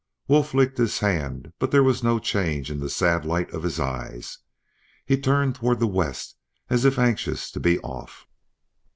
Wolf licked his hand, but there was no change in the sad light of his eyes. He turned toward the west as if anxious to be off.